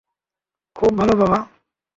খুব ভালো, বাবা।